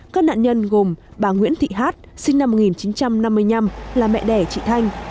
các nạn nhân gồm bà nguyễn thị hát sinh năm một nghìn chín trăm năm mươi năm là mẹ đẻ chị thanh